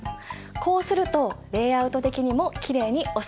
こうするとレイアウト的にもきれいに収まるし。